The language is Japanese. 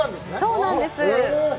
そうなんです。